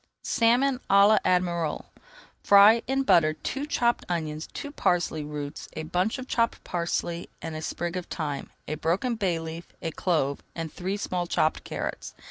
SALMON À L'ADMIRAL Fry in butter two chopped onions, two parsley roots, a bunch of chopped parsley with a sprig of thyme, a broken bay leaf, a [Page 278] clove, and three small chopped carrots.